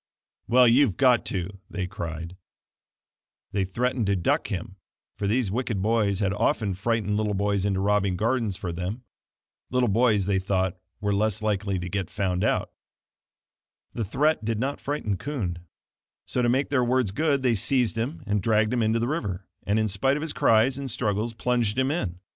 "Well, but you've got to," they cried. [Illustration: THE CRIES OF THE DROWNING CHILD GREW FAINTER AND FAINTER] They threatened to duck him, for these wicked big boys had often frightened little boys into robbing gardens for them. Little boys, they thought, were less likely to get found out. The threat did not frighten Kund, so to make their words good, they seized him and dragged him into the river, and in spite of his cries and struggles, plunged him in.